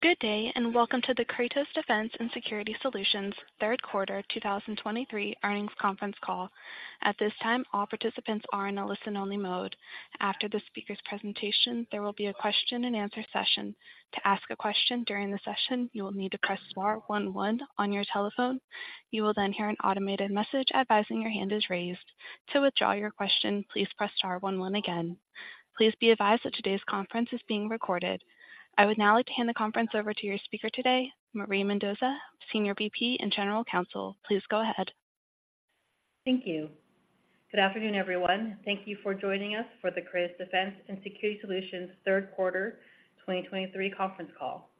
Good day, and welcome to the Kratos Defense & Security Solutions Third Quarter 2023 Earnings Conference Call. At this time, all participants are in a listen-only mode. After the speaker's presentation, there will be a question-and-answer session. To ask a question during the session, you will need to press star one one on your telephone. You will then hear an automated message advising your hand is raised. To withdraw your question, please press star one one again. Please be advised that today's conference is being recorded. I would now like to hand the conference over to your speaker today, Marie Mendoza, Senior VP and General Counsel. Please go ahead. Thank you. Good afternoon, everyone. Thank you for joining us for the Kratos Defense & Security Solutions Third Quarter 2023 Conference Call.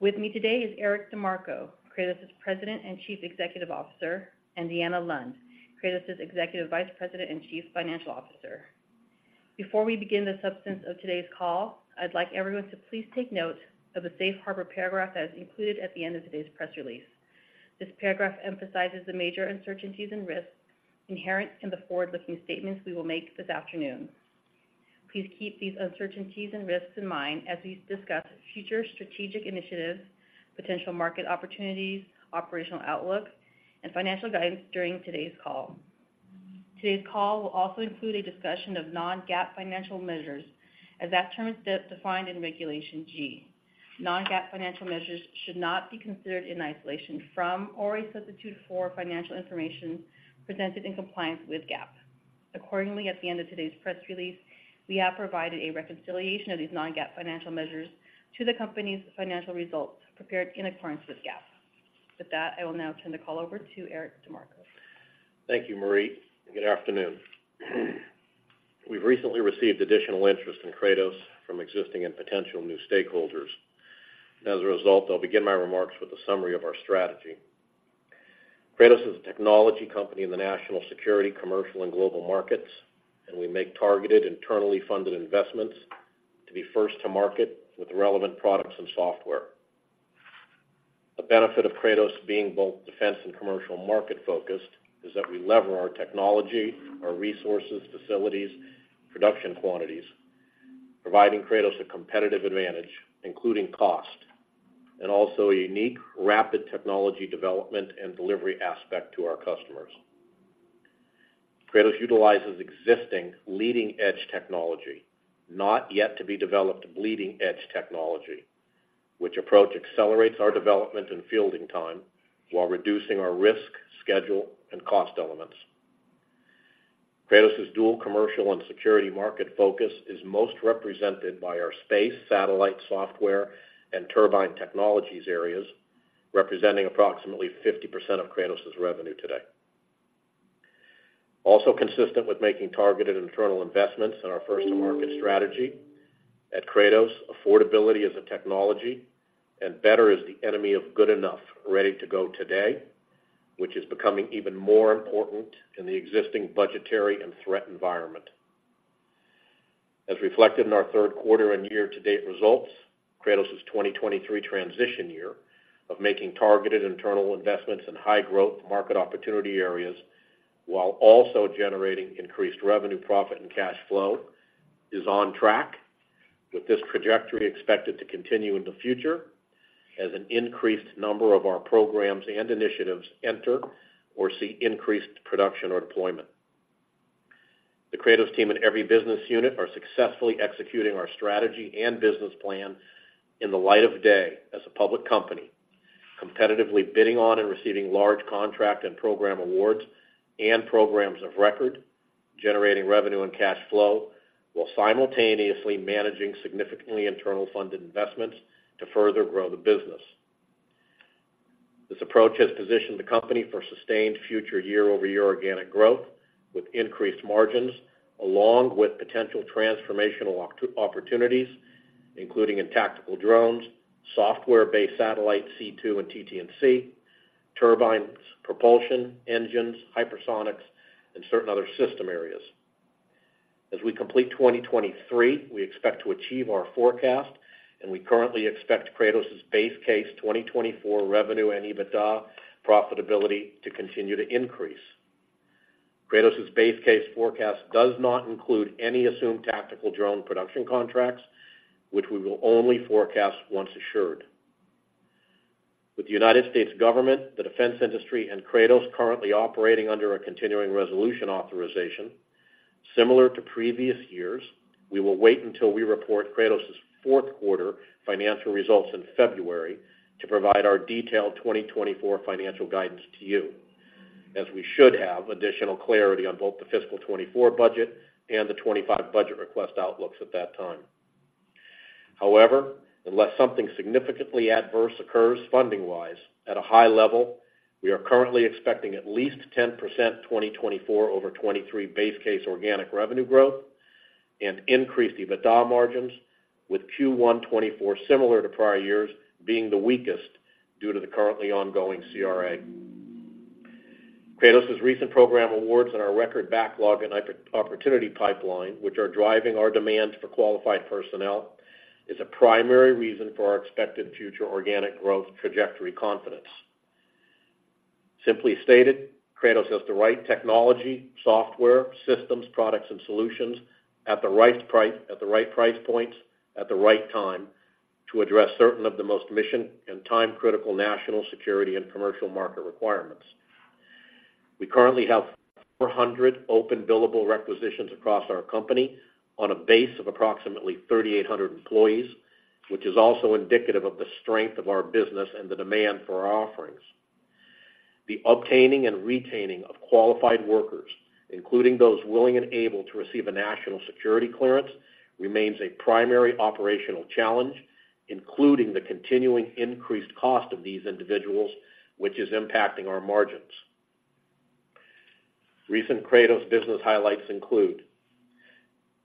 With me today is Eric DeMarco, Kratos's President and Chief Executive Officer, and Deanna Lund, Kratos's Executive Vice President and Chief Financial Officer. Before we begin the substance of today's call, I'd like everyone to please take note of the Safe Harbor paragraph that is included at the end of today's press release. This paragraph emphasizes the major uncertainties and risks inherent in the forward-looking statements we will make this afternoon. Please keep these uncertainties and risks in mind as we discuss future strategic initiatives, potential market opportunities, operational outlook, and financial guidance during today's call. Today's call will also include a discussion of non-GAAP financial measures, as that term is defined in Regulation G. Non-GAAP financial measures should not be considered in isolation from or a substitute for financial information presented in compliance with GAAP. Accordingly, at the end of today's press release, we have provided a reconciliation of these non-GAAP financial measures to the company's financial results prepared in accordance with GAAP. With that, I will now turn the call over to Eric DeMarco. Thank you, Marie, and good afternoon. We've recently received additional interest in Kratos from existing and potential new stakeholders. As a result, I'll begin my remarks with a summary of our strategy. Kratos is a technology company in the national security, commercial, and global markets, and we make targeted, internally funded investments to be first to market with relevant products and software. A benefit of Kratos being both defense and commercial market-focused is that we leverage our technology, our resources, facilities, production quantities, providing Kratos a competitive advantage, including cost, and also a unique, rapid technology development and delivery aspect to our customers. Kratos utilizes existing leading-edge technology, not yet to be developed bleeding-edge technology, which approach accelerates our development and fielding time while reducing our risk, schedule, and cost elements. Kratos's dual commercial and security market focus is most represented by our space, satellite, software, and turbine technologies areas, representing approximately 50% of Kratos's revenue today. Also consistent with making targeted internal investments in our first-to-market strategy, at Kratos, affordability is a technology, and better is the enemy of good enough, ready to go today, which is becoming even more important in the existing budgetary and threat environment. As reflected in our third quarter and year-to-date results, Kratos's 2023 transition year of making targeted internal investments in high-growth market opportunity areas, while also generating increased revenue, profit, and cash flow, is on track, with this trajectory expected to continue in the future as an increased number of our programs and initiatives enter or see increased production or deployment. The Kratos team in every business unit are successfully executing our strategy and business plan in the light of day as a public company, competitively bidding on and receiving large contract and program awards and programs of record, generating revenue and cash flow, while simultaneously managing significant internally funded investments to further grow the business. This approach has positioned the company for sustained future year-over-year organic growth with increased margins, along with potential transformational opportunities, including in tactical drones, software-based satellite, C2 and TT&C, turbines, propulsion, engines, hypersonics, and certain other system areas. As we complete 2023, we expect to achieve our forecast, and we currently expect Kratos's base case 2024 revenue and EBITDA profitability to continue to increase. Kratos's base case forecast does not include any assumed tactical drone production contracts, which we will only forecast once assured. With the United States government, the defense industry, and Kratos currently operating under a continuing resolution authorization, similar to previous years, we will wait until we report Kratos's fourth quarter financial results in February to provide our detailed 2024 financial guidance to you, as we should have additional clarity on both the fiscal 2024 budget and the 2025 budget request outlooks at that time. However, unless something significantly adverse occurs funding-wise, at a high level, we are currently expecting at least 10% 2024 over 2023 base case organic revenue growth and increased EBITDA margins, with Q1 2024, similar to prior years, being the weakest due to the currently ongoing CRA. Kratos's recent program awards and our record backlog and huge opportunity pipeline, which are driving our demands for qualified personnel, is a primary reason for our expected future organic growth trajectory confidence. Simply stated, Kratos has the right technology, software, systems, products, and solutions at the right price, at the right price points, at the right time to address certain of the most mission and time-critical national security and commercial market requirements. We currently have 400 open billable requisitions across our company on a base of approximately 3,800 employees, which is also indicative of the strength of our business and the demand for our offerings. The obtaining and retaining of qualified workers, including those willing and able to receive a national security clearance, remains a primary operational challenge, including the continuing increased cost of these individuals, which is impacting our margins. Recent Kratos business highlights include: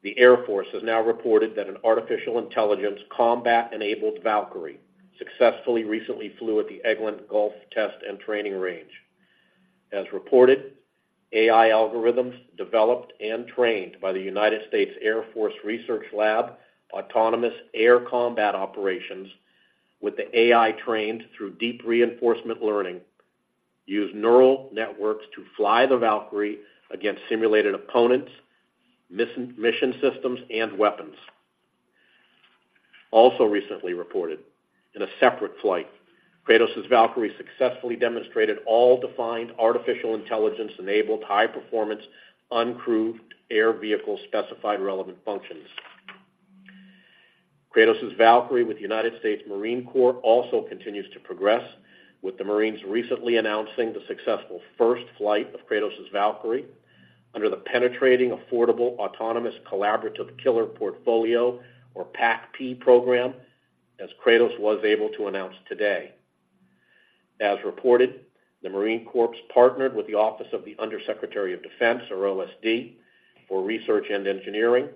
the Air Force has now reported that an artificial intelligence combat-enabled Valkyrie successfully recently flew at the Eglin Gulf Test and Training Range. As reported, AI algorithms developed and trained by the United States Air Force Research Lab [perform] autonomous air combat operations with the AI trained through deep reinforcement learning [that] use neural networks to fly the Valkyrie against simulated opponents, mission systems, and weapons. Also recently reported, in a separate flight, Kratos' Valkyrie successfully demonstrated all defined artificial intelligence-enabled, high-performance, uncrewed air vehicle-specified relevant functions. Kratos' Valkyrie with the United States Marine Corps also continues to progress, with the Marines recently announcing the successful first flight of Kratos' Valkyrie under the Penetrating Affordable Autonomous Collaborative Killer portfolio, or PAACK-P program, as Kratos was able to announce today. As reported, the Marine Corps partnered with the Office of the Secretary of Defense, or OSD, for research and engineering,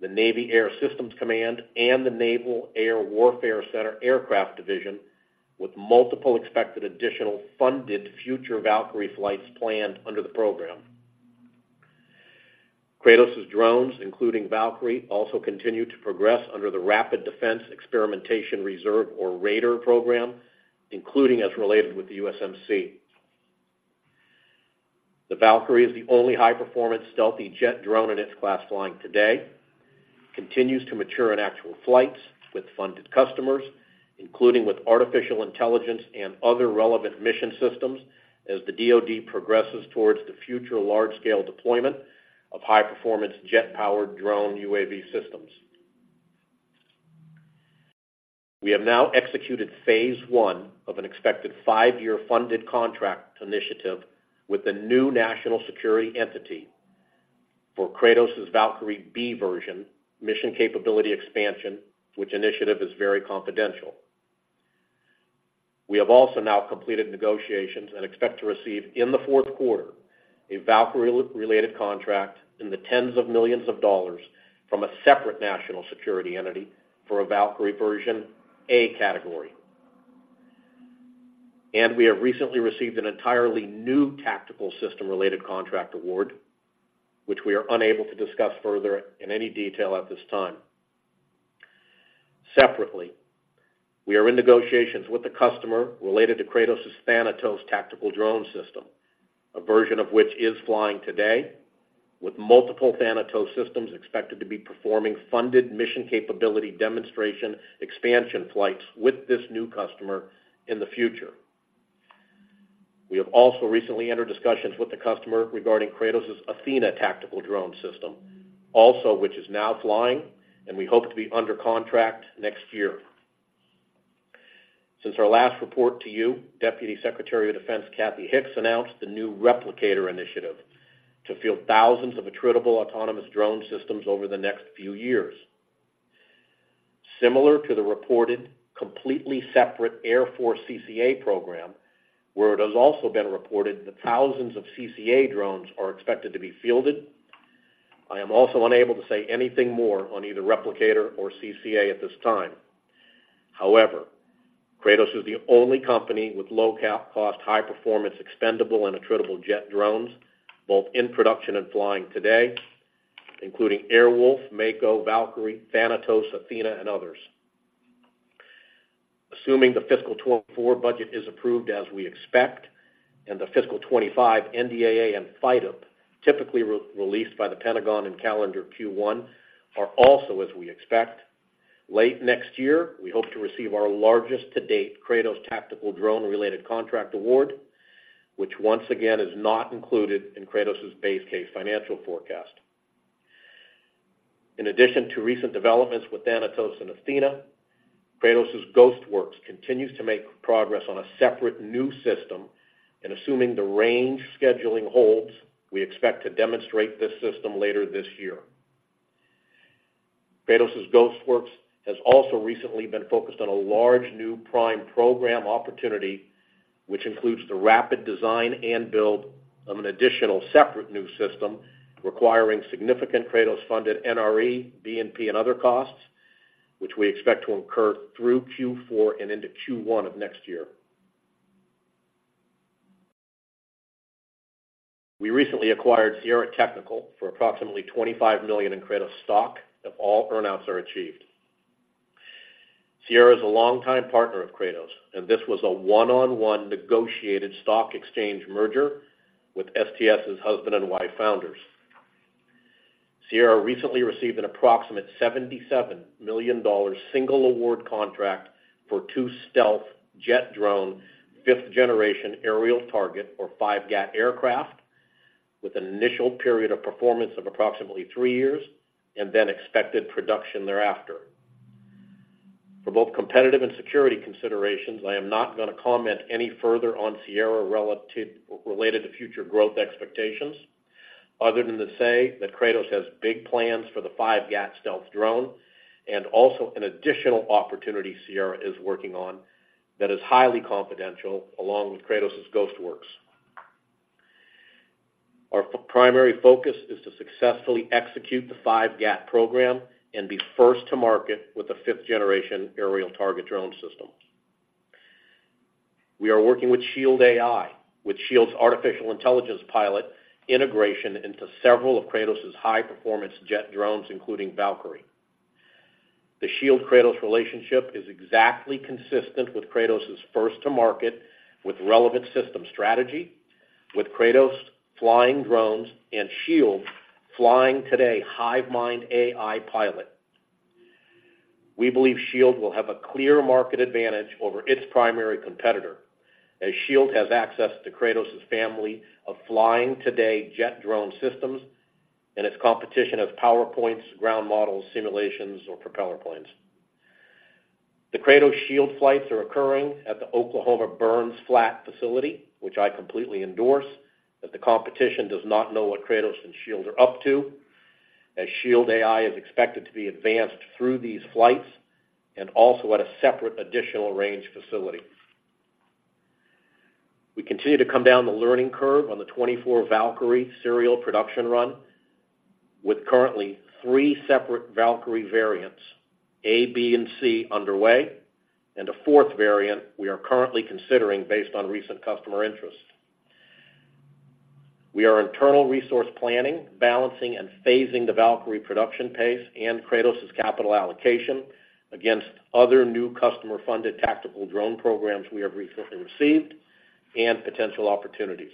the Navy Air Systems Command, and the Naval Air Warfare Center Aircraft Division, with multiple expected additional funded future Valkyrie flights planned under the program. Kratos' drones, including Valkyrie, also continue to progress under the Rapid Defense Experimentation Reserve, or RDER program, including as related with the USMC. The Valkyrie is the only high-performance stealthy jet drone in its class flying today, continues to mature in actual flights with funded customers, including with artificial intelligence and other relevant mission systems, as the DoD progresses towards the future large-scale deployment of high-performance jet-powered drone UAV systems. We have now executed phase I of an expected five year funded contract initiative with the new national security entity for Kratos' Valkyrie B version, Mission Capability Expansion, which initiative is very confidential. We have also now completed negotiations and expect to receive, in the fourth quarter, a Valkyrie-related contract in the tens of millions of dollars from a separate national security entity for a Valkyrie version A category. We have recently received an entirely new tactical system-related contract award, which we are unable to discuss further in any detail at this time. Separately, we are in negotiations with the customer related to Kratos' Thanatos tactical drone system, a version of which is flying today, with multiple Thanatos systems expected to be performing funded mission capability demonstration expansion flights with this new customer in the future. We have also recently entered discussions with the customer regarding Kratos' Athena tactical drone system, also, which is now flying, and we hope to be under contract next year. Since our last report to you, Deputy Secretary of Defense Kathleen Hicks announced the new Replicator initiative to field thousands of attritable autonomous drone systems over the next few years. Similar to the reported, completely separate Air Force CCA program, where it has also been reported that thousands of CCA drones are expected to be fielded, I am also unable to say anything more on either Replicator or CCA at this time. However, Kratos is the only company with low cap-cost, high-performance, expendable, and attritable jet drones, both in production and flying today, including Airwolf, Mako, Valkyrie, Thanatos, Athena, and others. Assuming the fiscal 2024 budget is approved as we expect, and the fiscal 2025 NDAA and FYDP, typically re-released by the Pentagon in calendar Q1, are also, as we expect, late next year, we hope to receive our largest to-date Kratos tactical drone-related contract award, which once again, is not included in Kratos' base case financial forecast. In addition to recent developments with Thanatos and Athena, Kratos' Ghost Works continues to make progress on a separate new system, and assuming the range scheduling holds, we expect to demonstrate this system later this year. Kratos' Ghost Works has also recently been focused on a large new prime program opportunity, which includes the rapid design and build of an additional separate new system, requiring significant Kratos-funded NRE, B&P, and other costs, which we expect to incur through Q4 and into Q1 of next year. We recently acquired Sierra Technical for approximately $25 million in Kratos stock, if all earnouts are achieved. Sierra is a longtime partner of Kratos, and this was a one-on-one negotiated stock exchange merger with STS's husband and wife founders. Sierra recently received an approximate $77 million single award contract for two stealth jet drone, fifth generation aerial target, or 5GAT aircraft, with an initial period of performance of approximately three years and then expected production thereafter. For both competitive and security considerations, I am not gonna comment any further on Sierra-related to future growth expectations, other than to say that Kratos has big plans for the 5GAT stealth drone and also an additional opportunity Sierra is working on that is highly confidential, along with Kratos' Ghostworks. Our primary focus is to successfully execute the 5GAT program and be first to market with a fifth-generation aerial target drone system. We are working with Shield AI, with Shield's artificial intelligence pilot integration into several of Kratos' high-performance jet drones, including Valkyrie. The Shield-Kratos relationship is exactly consistent with Kratos' first-to-market with relevant system strategy, with Kratos flying drones and Shield flying today, Hivemind AI pilot. We believe Shield will have a clear market advantage over its primary competitor, as Shield has access to Kratos' family of flying today jet drone systems and its competition of PowerPoints, ground models, simulations, or propeller planes. The Kratos Shield flights are occurring at the Burns Flat, Oklahoma facility, which I completely endorse, as the competition does not know what Kratos and Shield are up to, as Shield AI is expected to be advanced through these flights and also at a separate additional range facility. We continue to come down the learning curve on the 24 Valkyrie serial production run, with currently three separate Valkyrie variants, A, B, and C, underway, and a fourth variant we are currently considering based on recent customer interest. We are internal resource planning, balancing, and phasing the Valkyrie production pace and Kratos' capital allocation against other new customer-funded tactical drone programs we have recently received and potential opportunities.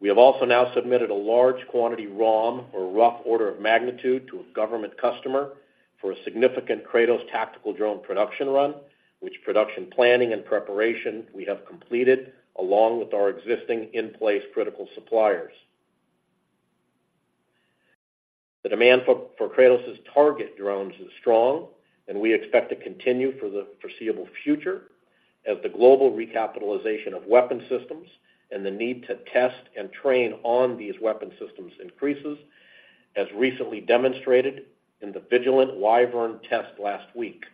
We have also now submitted a large quantity ROM, or rough order of magnitude, to a government customer for a significant Kratos tactical drone production run, which production planning and preparation we have completed, along with our existing in-place critical suppliers. The demand for Kratos' target drones is strong and we expect to continue for the foreseeable future as the global recapitalization of weapon systems and the need to test and train on these weapon systems increases, as recently demonstrated in the Vigilant Wyvern test last week.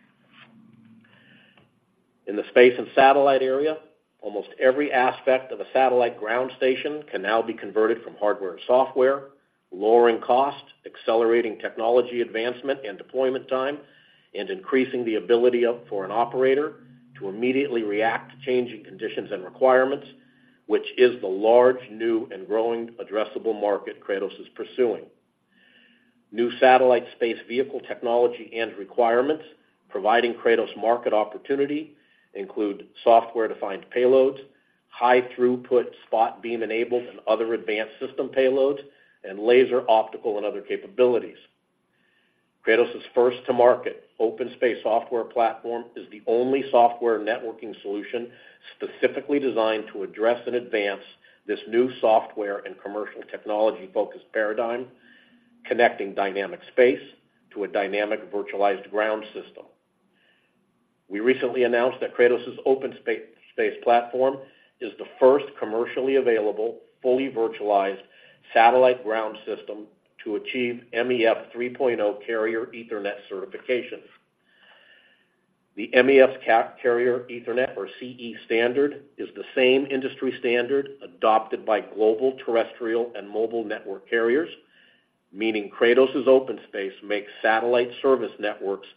In the space and satellite area, almost every aspect of a satellite ground station can now be converted from hardware and software, lowering costs, accelerating technology advancement and deployment time, and increasing the ability for an operator to immediately react to changing conditions and requirements, which is the large, new and growing addressable market Kratos is pursuing. New satellite space vehicle technology and requirements providing Kratos market opportunity include software-defined payloads, high-throughput spot beam-enabled and other advanced system payloads, and laser, optical, and other capabilities. Kratos' first-to-market OpenSpace software platform is the only software networking solution specifically designed to address and advance this new software and commercial technology-focused paradigm, connecting dynamic space to a dynamic virtualized ground system. We recently announced that Kratos' OpenSpace platform is the first commercially available, fully virtualized satellite ground system to achieve MEF 3.0 Carrier Ethernet certification. The MEF Carrier Ethernet, or CE standard, is the same industry standard adopted by global, terrestrial, and mobile network carriers, meaning Kratos' OpenSpace makes satellite service networks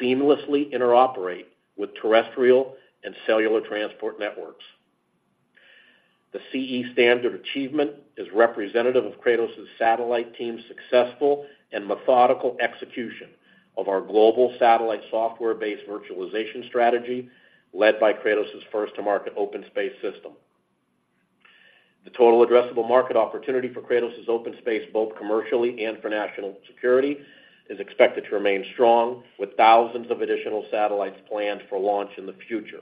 seamlessly interoperate with terrestrial and cellular transport networks. The CE standard achievement is representative of Kratos' satellite team's successful and methodical execution of our global satellite software-based virtualization strategy, led by Kratos' first-to-market OpenSpace system. The total addressable market opportunity for Kratos' OpenSpace, both commercially and for national security, is expected to remain strong, with thousands of additional satellites planned for launch in the future.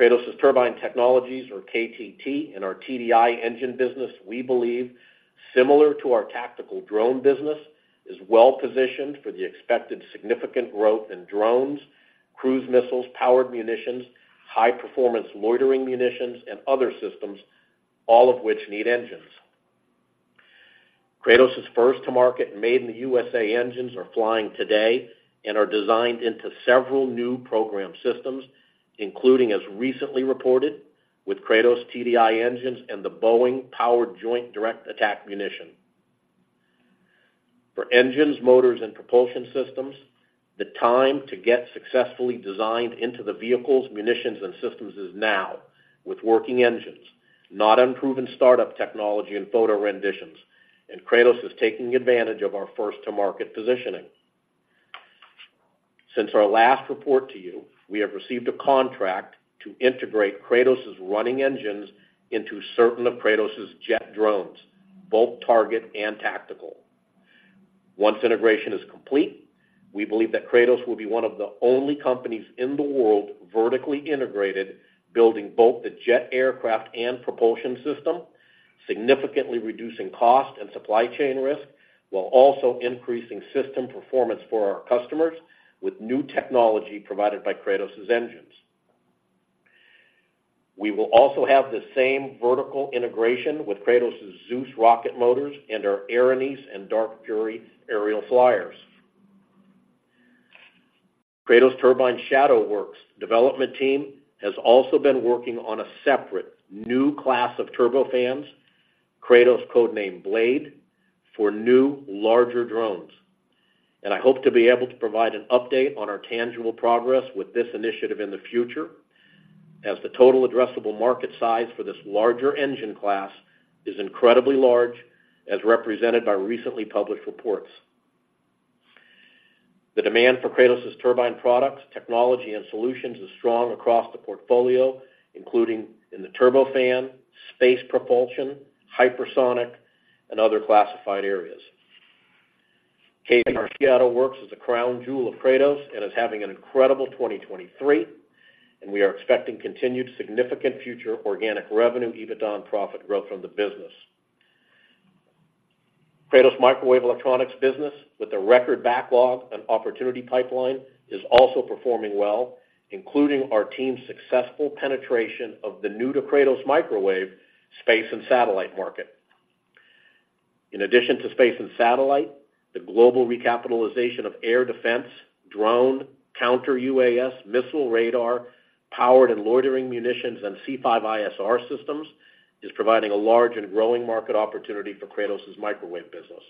Kratos' Turbine Technologies, or KTT, and our TDI engine business, we believe, similar to our tactical drone business, is well positioned for the expected significant growth in drones, cruise missiles, powered munitions, high-performance loitering munitions, and other systems, all of which need engines. Kratos' first-to-market and made in the USA engines are flying today and are designed into several new program systems, including, as recently reported, with Kratos TDI engines and the Boeing Powered Joint Direct Attack Munition. For engines, motors, and propulsion systems, the time to get successfully designed into the vehicles, munitions, and systems is now, with working engines, not unproven startup technology and photo renditions, and Kratos is taking advantage of our first-to-market positioning. Since our last report to you, we have received a contract to integrate Kratos's running engines into certain of Kratos's jet drones, both target and tactical. Once integration is complete, we believe that Kratos will be one of the only companies in the world vertically integrated, building both the jet aircraft and propulsion system, significantly reducing cost and supply chain risk, while also increasing system performance for our customers with new technology provided by Kratos's engines. We will also have the same vertical integration with Kratos' Zeus rocket motors and our Erinyes and Dark Fury aerial flyers. Kratos Turbine ShadowWorks development team has also been working on a separate new class of turbofans, Kratos code-named Blade, for new, larger drones. I hope to be able to provide an update on our tangible progress with this initiative in the future, as the total addressable market size for this larger engine class is incredibly large, as represented by recently published reports. The demand for Kratos' turbine products, technology, and solutions is strong across the portfolio, including in the turbofan, space propulsion, hypersonic, and other classified areas. KTT Turbine ShadowWorks is the crown jewel of Kratos and is having an incredible 2023, and we are expecting continued significant future organic revenue, EBITDA, and profit growth from the business. Kratos' microwave electronics business, with a record backlog and opportunity pipeline, is also performing well, including our team's successful penetration of the new to Kratos microwave space and satellite market. In addition to space and satellite, the global recapitalization of air defense, drone, counter UAS, missile radar, powered and loitering munitions, and C5ISR systems is providing a large and growing market opportunity for Kratos' microwave business.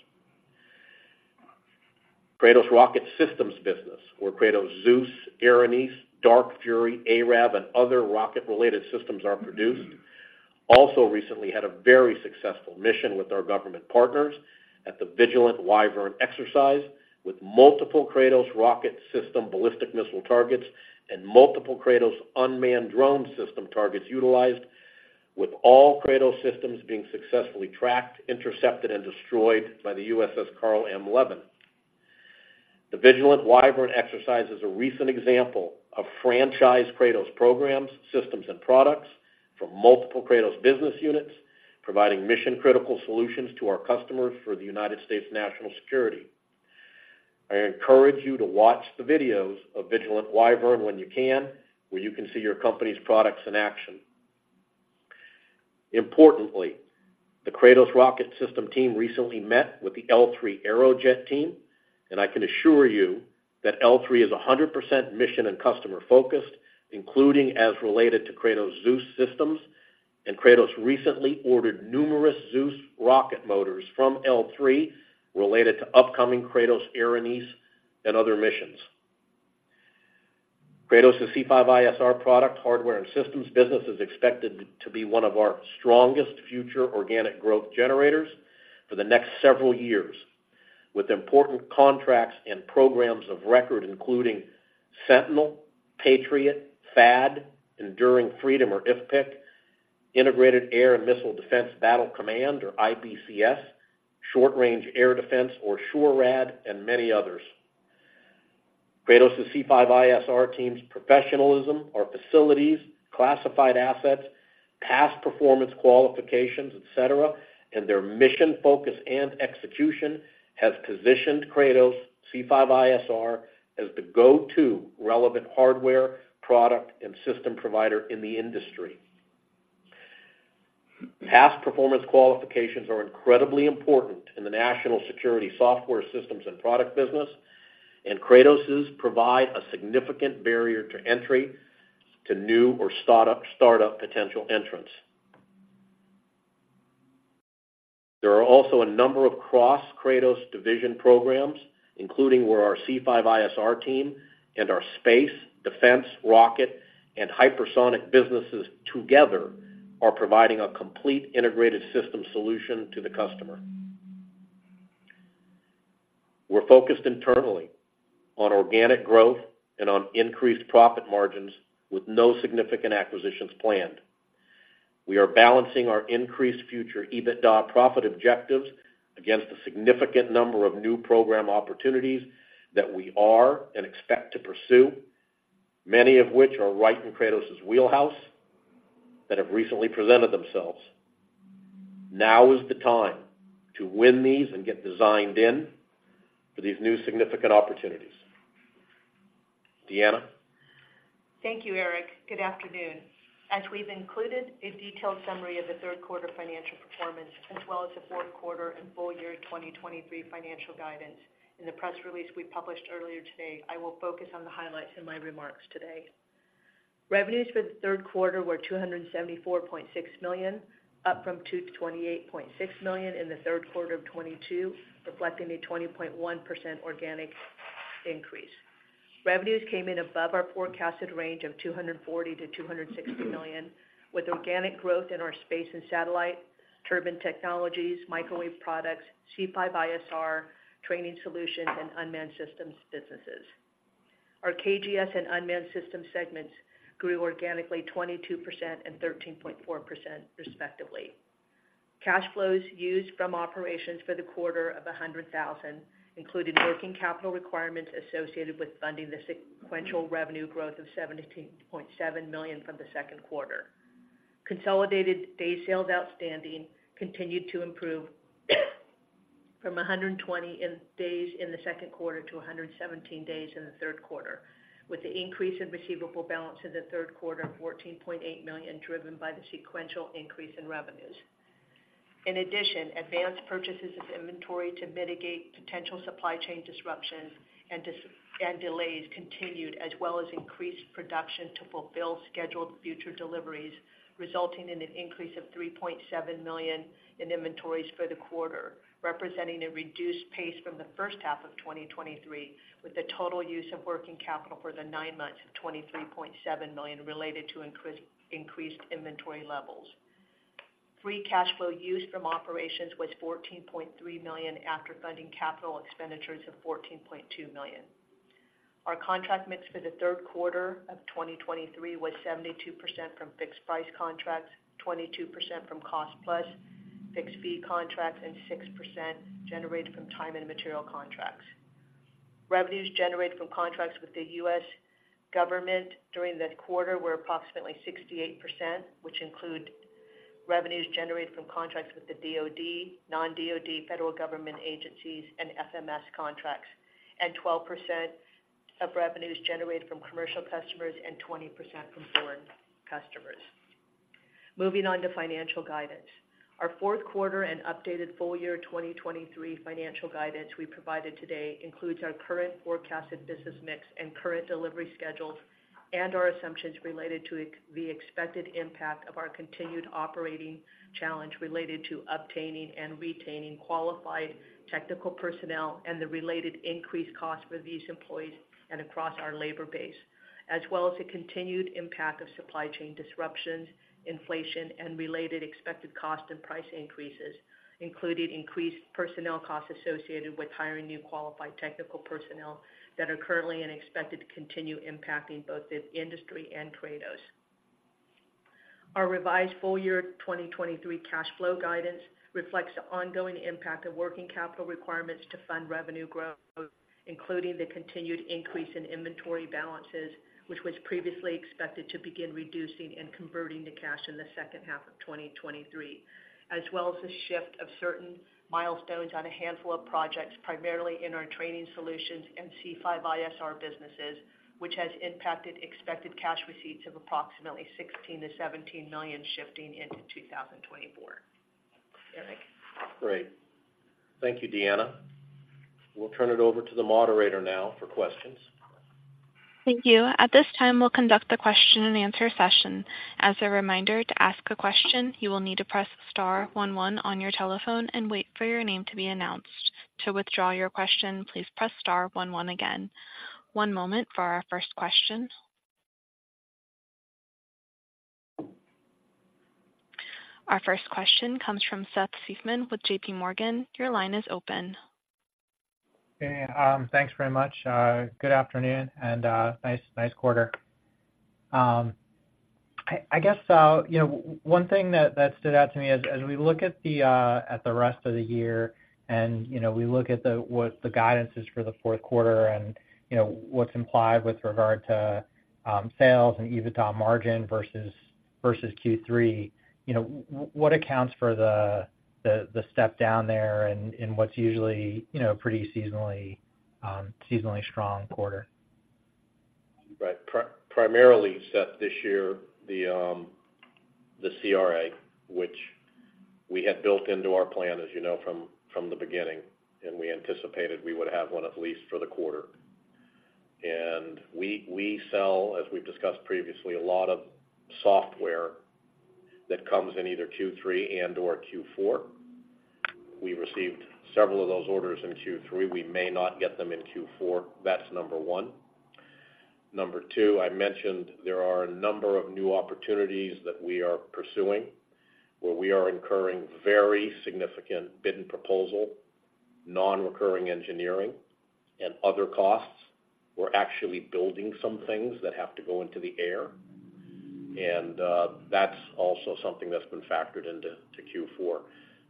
Kratos Rocket Systems business, where Kratos Zeus, Erinyes, Dark Fury, ARAV, and other rocket-related systems are produced, also recently had a very successful mission with our government partners at the Vigilant Wyvern exercise, with multiple Kratos rocket system ballistic missile targets and multiple Kratos unmanned drone system targets utilized, with all Kratos systems being successfully tracked, intercepted, and destroyed by the USS Carl M. Levin. The Vigilant Wyvern exercise is a recent example of franchised Kratos programs, systems, and products from multiple Kratos business units, providing mission-critical solutions to our customers for the United States national security. I encourage you to watch the videos of Vigilant Wyvern when you can, where you can see your company's products in action. Importantly, the Kratos Rocket System team recently met with the L3 Aerojet team, and I can assure you that L3 is 100% mission and customer-focused, including as related to Kratos Zeus systems, and Kratos recently ordered numerous Zeus rocket motors from L3 related to upcoming Kratos Erinyes and other missions. Kratos' C5ISR product, hardware, and systems business is expected to be one of our strongest future organic growth generators for the next several years, with important contracts and programs of record, including Sentinel, Patriot, THAAD, Enduring Shield or IFPC, Integrated Air and Missile Defense Battle Command or IBCS, Short-Range Air Defense or SHORAD, and many others. Kratos' C5ISR team's professionalism, our facilities, classified assets, past performance qualifications, et cetera, and their mission focus and execution has positioned Kratos C5ISR as the go-to relevant hardware, product, and system provider in the industry. Past performance qualifications are incredibly important in the national security software systems and product business, and Kratos' provide a significant barrier to entry to new or startup potential entrants. There are also a number of cross Kratos division programs, including where our C5ISR team and our space, defense, rocket, and hypersonic businesses together are providing a complete integrated system solution to the customer. We're focused internally on organic growth and on increased profit margins with no significant acquisitions planned. We are balancing our increased future EBITDA profit objectives against a significant number of new program opportunities that we are and expect to pursue, many of which are right in Kratos' wheelhouse that have recently presented themselves. Now is the time to win these and get designed in for these new significant opportunities. Deanna? Thank you, Eric. Good afternoon. As we've included a detailed summary of the third quarter financial performance, as well as the fourth quarter and full year 2023 financial guidance in the press release we published earlier today, I will focus on the highlights in my remarks today. Revenues for the third quarter were $274.6 million, up from $228.6 million in the third quarter of 2022, reflecting a 20.1% organic increase. Revenues came in above our forecasted range of $240 million to $260 million, with organic growth in our space and satellite, turbine technologies, microwave products, C5ISR, training solutions, and unmanned systems businesses. Our KGS and unmanned systems segments grew organically 22% and 13.4%, respectively. Cash flows used from operations for the quarter of $100,000 included working capital requirements associated with funding the sequential revenue growth of $17.7 million from the second quarter. Consolidated days sales outstanding continued to improve from 120 days in the second quarter to 117 days in the third quarter, with the increase in receivable balance in the third quarter of $14.8 million, driven by the sequential increase in revenues. In addition, advanced purchases of inventory to mitigate potential supply chain disruptions and delays continued, as well as increased production to fulfill scheduled future deliveries, resulting in an increase of $3.7 million in inventories for the quarter, representing a reduced pace from the first half of 2023, with a total use of working capital for the nine months of 2023 of $23.7 million related to increased inventory levels. Free cash flow used from operations was $14.3 million after funding capital expenditures of $14.2 million. Our contract mix for the third quarter of 2023 was 72% from fixed price contracts, 22% from cost plus fixed fee contracts, and 6% generated from time and material contracts. Revenues generated from contracts with the U.S. government during the quarter were approximately 68%, which include revenues generated from contracts with the DoD, non-DoD, federal government agencies, and FMS contracts, and 12% of revenues generated from commercial customers and 20% from foreign customers. Moving on to financial guidance. Our fourth quarter and updated full year 2023 financial guidance we provided today includes our current forecasted business mix and current delivery schedules, and our assumptions related to the expected impact of our continued operating challenge related to obtaining and retaining qualified technical personnel and the related increased cost for these employees and across our labor base, as well as the continued impact of supply chain disruptions, inflation, and related expected cost and price increases, including increased personnel costs associated with hiring new qualified technical personnel that are currently and expected to continue impacting both the industry and Kratos. Our revised full year 2023 cash flow guidance reflects the ongoing impact of working capital requirements to fund revenue growth, including the continued increase in inventory balances, which was previously expected to begin reducing and converting to cash in the second half of 2023, as well as the shift of certain milestones on a handful of projects, primarily in our training solutions and C5ISR businesses, which has impacted expected cash receipts of approximately $16 million to $17 million shifting into 2024. Eric? Great. Thank you, Deanna. We'll turn it over to the moderator now for questions. Thank you. At this time, we'll conduct the question-and-answer session. As a reminder, to ask a question, you will need to press star one one on your telephone and wait for your name to be announced. To withdraw your question, please press star one one again. One moment for our first question. Our first question comes from Seth Seifman with JPMorgan. Your line is open. Hey, thanks very much. Good afternoon, and nice quarter. I guess, you know, one thing that stood out to me as we look at the rest of the year and, you know, we look at what the guidance is for the fourth quarter and, you know, what's implied with regard to sales and EBITDA margin versus Q3, you know, what accounts for the step down there and in what's usually, you know, pretty seasonally strong quarter? Right. Primarily, Seth, this year, the CRA, which we had built into our plan, as you know, from the beginning, and we anticipated we would have one at least for the quarter. We sell, as we've discussed previously, a lot of software that comes in either Q3 and/or Q4. We received several of those orders in Q3. We may not get them in Q4. That's number one. Number two, I mentioned there are a number of new opportunities that we are pursuing, where we are incurring very significant bid and proposal, non-recurring engineering, and other costs. We're actually building some things that have to go into the air, and that's also something that's been factored into Q4.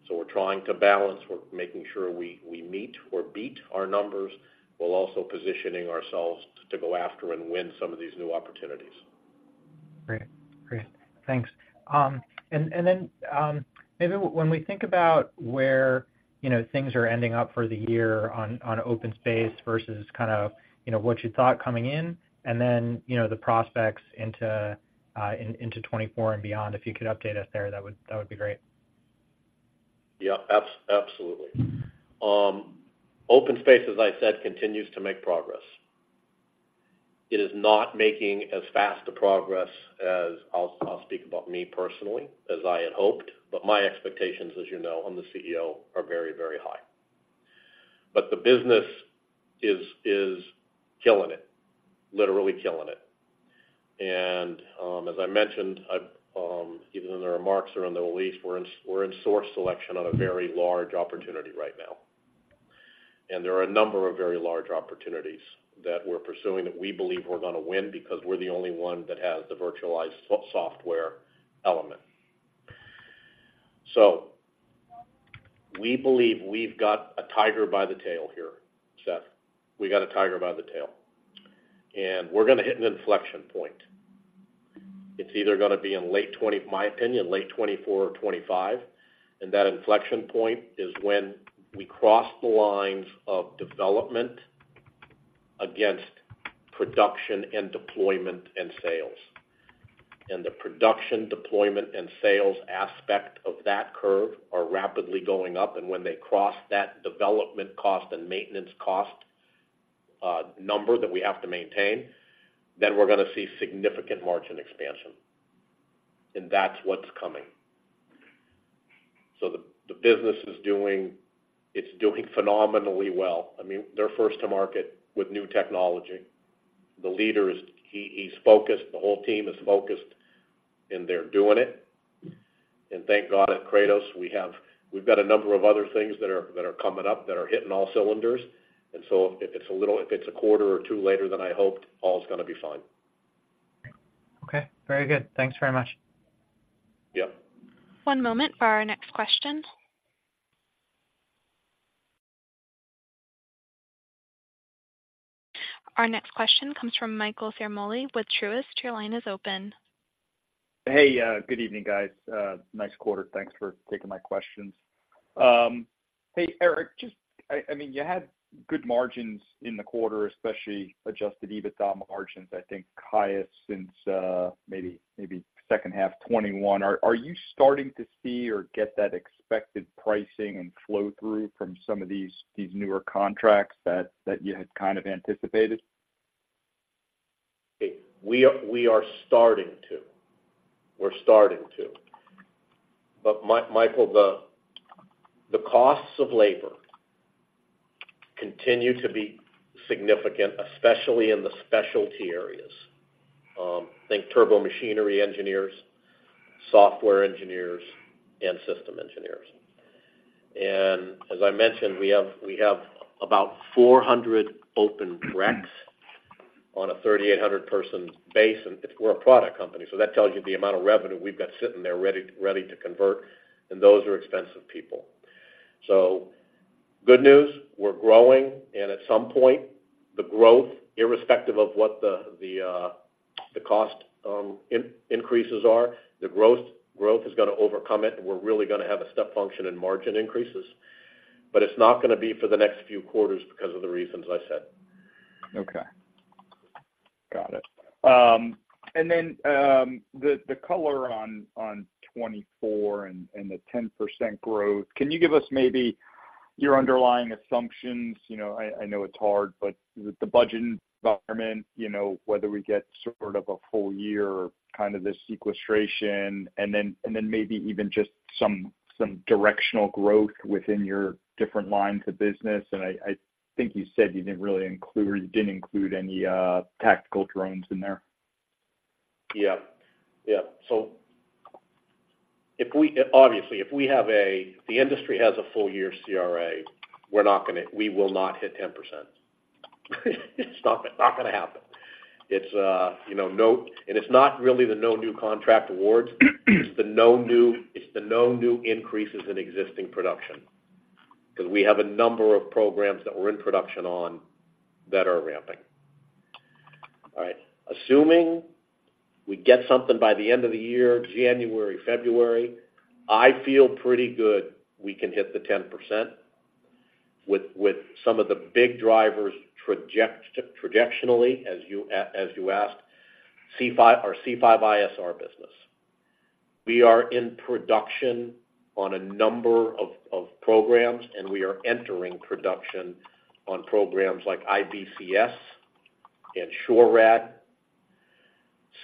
So we're trying to balance. We're making sure we meet or beat our numbers, while also positioning ourselves to go after and win some of these new opportunities. Great. Great, thanks. And then, maybe when we think about where, you know, things are ending up for the year on OpenSpace versus kind of, you know, what you thought coming in, and then, you know, the prospects into 2024 and beyond, if you could update us there, that would be great. Yeah, absolutely. OpenSpace, as I said, continues to make progress. It is not making as fast a progress as, I'll speak about me personally, as I had hoped, but my expectations, as you know, I'm the CEO, are very, very high. But the business is killing it, literally killing it. And, as I mentioned, even in the remarks or in the release, we're in source selection on a very large opportunity right now. And there are a number of very large opportunities that we're pursuing, that we believe we're gonna win because we're the only one that has the virtualized software element. So we believe we've got a tiger by the tail here, Seth. We got a tiger by the tail, and we're gonna hit an inflection point. It's either gonna be in late 2024, my opinion, late 2024 or 2025, and that inflection point is when we cross the lines of development against production and deployment and sales. And the production, deployment, and sales aspect of that curve are rapidly going up, and when they cross that development cost and maintenance cost number that we have to maintain, then we're gonna see significant margin expansion. And that's what's coming. So the business is doing, it's doing phenomenally well. I mean, they're first to market with new technology. The leader is, he, he's focused, the whole team is focused, and they're doing it. And thank God, at Kratos, we have, we've got a number of other things that are coming up, that are hitting all cylinders. And so if it's a quarter or two later than I hoped, all is gonna be fine. Okay, very good. Thanks very much. Yep. One moment for our next question. Our next question comes from Michael Ciarmoli with Truist. Your line is open. Hey, good evening, guys. Nice quarter. Thanks for taking my questions. Hey, Eric, just, I mean, you had good margins in the quarter, especially adjusted EBITDA margins, I think, highest since maybe second half 2021. Are you starting to see or get that expected pricing and flow-through from some of these newer contracts that you had kind of anticipated? We're starting to. But Michael, the costs of labor continue to be significant, especially in the specialty areas. Think turbo machinery engineers, software engineers, and system engineers. And as I mentioned, we have about 400 open recs on a 3,800 person base, and it's, we're a product company, so that tells you the amount of revenue we've got sitting there ready to convert, and those are expensive people. So good news, we're growing, and at some point, the growth, irrespective of what the cost increases are, the growth is gonna overcome it. We're really gonna have a step function in margin increases, but it's not gonna be for the next few quarters because of the reasons I said. Okay. Got it. And then, the color on 2024 and the 10% growth, can you give us maybe your underlying assumptions? You know, I know it's hard, but the budget environment, you know, whether we get sort of a full year, kind of this sequestration, and then maybe even just some directional growth within your different lines of business. And I think you said you didn't really include you didn't include any tactical drones in there. Yep. Yep. So if we obviously, if we have a full year CRA, we're not gonna-- we will not hit 10%. It's not, not gonna happen. It's, you know, no-- and it's not really the no new contract awards, it's the no new, it's the no new increases in existing production, because we have a number of programs that we're in production on that are ramping. All right, assuming we get something by the end of the year, January, February, I feel pretty good we can hit the 10% with, with some of the big drivers projectionally, as you asked, C5ISR, our C5ISR business. We are in production on a number of programs, and we are entering production on programs like IBCS and SHORAD.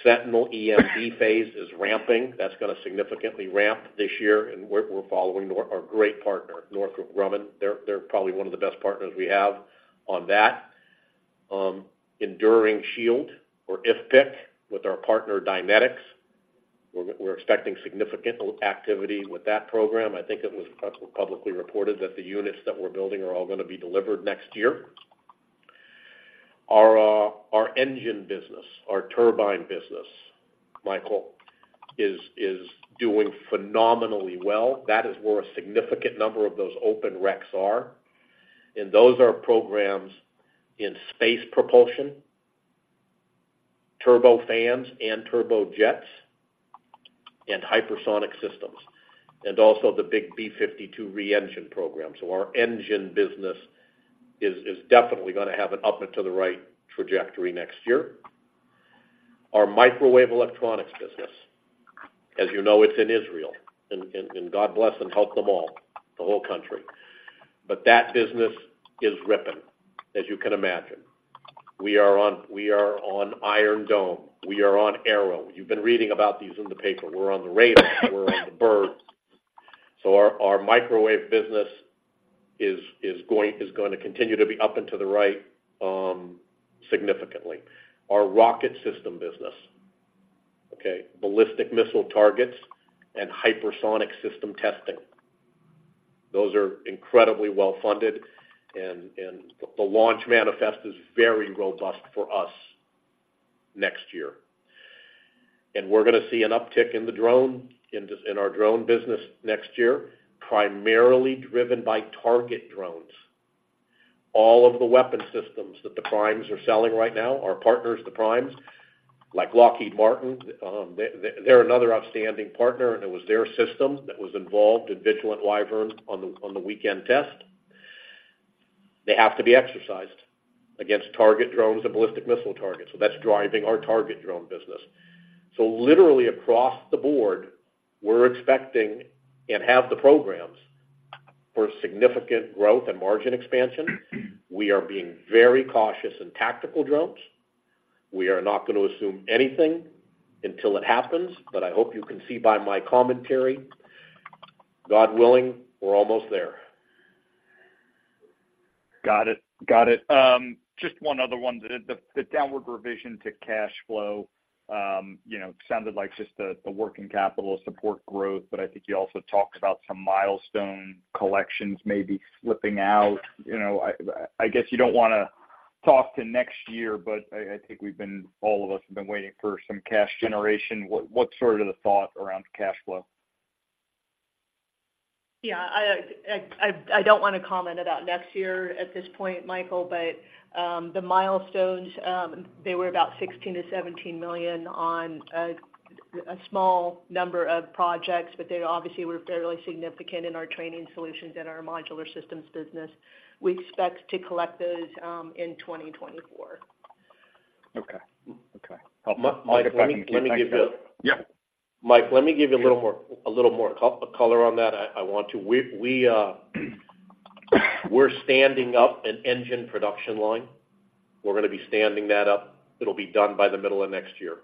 Sentinel EMD phase is ramping. That's gonna significantly ramp this year, and we're following our great partner, Northrop Grumman. They're probably one of the best partners we have on that. Enduring Shield or IFPC, with our partner, Dynetics. We're expecting significant activity with that program. I think it was publicly reported that the units that we're building are all gonna be delivered next year. Our engine business, our turbine business, Michael, is doing phenomenally well. That is where a significant number of those open recs are, and those are programs in space propulsion, turbofans and turbojets, and hypersonic systems, and also the big B-52 re-engine program. So our engine business is definitely gonna have an up and to the right trajectory next year. Our microwave electronics business, as you know, it's in Israel, and God bless and help them all, the whole country. But that business is ripping, as you can imagine. We are on, we are on Iron Dome, we are on Arrow. You've been reading about these in the paper. We're on the radar, we're on the birds. So our microwave business is going, is gonna continue to be up and to the right, significantly. Our rocket system business, okay, ballistic missile targets and hypersonic system testing, those are incredibly well-funded, and the launch manifest is very robust for us next year. And we're gonna see an uptick in our drone business next year, primarily driven by target drones. All of the weapon systems that the primes are selling right now, our partners, the primes, like Lockheed Martin, they're another outstanding partner, and it was their system that was involved in Vigilant Wyvern on the weekend test. They have to be exercised against target drones and ballistic missile targets. So that's driving our target drone business. So literally across the board, we're expecting and have the programs for significant growth and margin expansion. We are being very cautious in tactical drones. We are not gonna assume anything until it happens, but I hope you can see by my commentary, God willing, we're almost there. Got it. Got it. Just one other one. The downward revision to cash flow, you know, sounded like just the working capital support growth, but I think you also talked about some milestone collections maybe slipping out. You know, I guess you don't wanna talk to next year, but I think we've been, all of us, have been waiting for some cash generation. What, what's sort of the thought around cash flow? Yeah, I don't wanna comment about next year at this point, Michael, but, the milestones, they were about $16 million-$17 million on a small number of projects, but they obviously were fairly significant in our training solutions and our modular systems business. We expect to collect those in 2024. Okay. Okay. Mike, let me give you Yeah. Mike, let me give you a little more, a little more color on that. I want to. We, we're standing up an engine production line. We're gonna be standing that up. It'll be done by the middle of next year,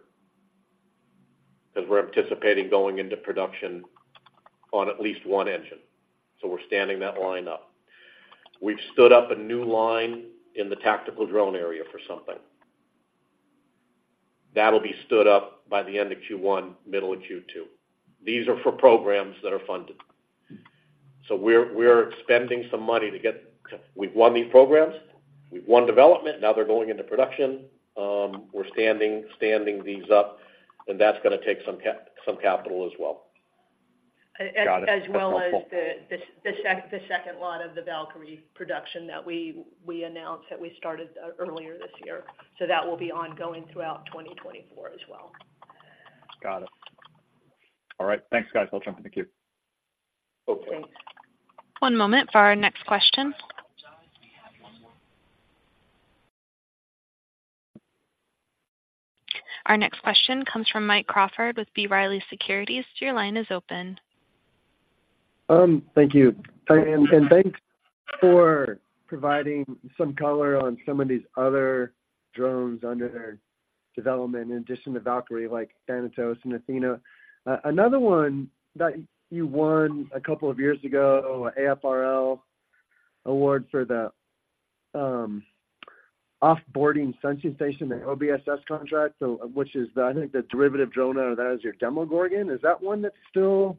because we're anticipating going into production on at least one engine. So we're standing that line up. We've stood up a new line in the tactical drone area for something. That'll be stood up by the end of Q1, middle of Q2. These are for programs that are funded. So we're spending some money to get. We've won these programs, we've won development, now they're going into production. We're standing these up, and that's gonna take some capital as well. Got it. As well as the second line of the Valkyrie production that we announced, that we started earlier this year. So that will be ongoing throughout 2024 as well. Got it. All right. Thanks, guys. I'll jump in the queue. Okay. One moment for our next question. Our next question comes from Mike Crawford with B. Riley Securities. Your line is open. Thank you. And thanks for providing some color on some of these other drones under development, in addition to Valkyrie, like Thanatos and Athena. Another one that you won a couple of years ago, AFRL award for the Off-Board Sensing Station, the OBSS contract, so which is the, I think, the derivative drone out of that is your Demogorgon. Is that one that's still